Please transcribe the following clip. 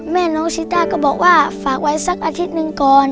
แม่น้องชิต้าก็บอกว่าฝากไว้สักอาทิตย์หนึ่งก่อน